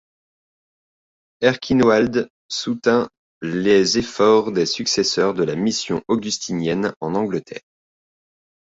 Erchinoald soutint les efforts des successeurs de la mission augustinienne en Angleterre.